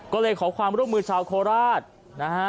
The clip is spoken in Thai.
ก็เลยขอความร่วมมือชาวโคราชนะฮะ